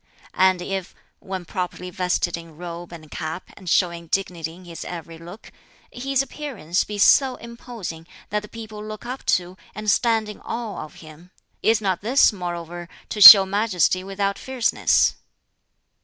And if when properly vested in robe and cap, and showing dignity in his every look his appearance be so imposing that the people look up to and stand in awe of him, is not this moreover to show majesty without fierceness?"